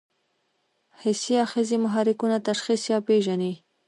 حسي آخذې محرکونه تشخیص یا پېژني.